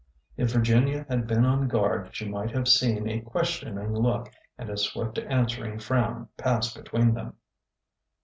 If Vir ginia had been on guard she might have seen a ques tioning look and a swift answering frown pass between them.